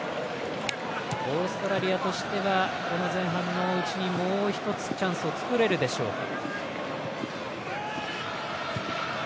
オーストラリアとしてはこの前半のうちにもう１つチャンスを作れるでしょうか。